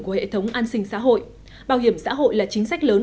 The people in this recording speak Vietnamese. của hệ thống an sinh xã hội bảo hiểm xã hội là chính sách lớn